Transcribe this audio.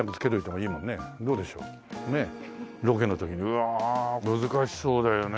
うわあ難しそうだよね。